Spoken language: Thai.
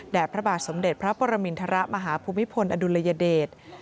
พระบาทสมเด็จพระปรมินทรมาฮภูมิพลอดุลยเดช